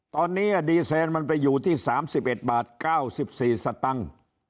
ตอนนี้ดีเซลล์มันไปอยู่ที่สามสิบเอ็ดบาทเก้าสิบสี่สตังค์